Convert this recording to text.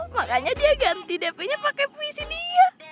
makanya dia ganti dpnya pake puisi dia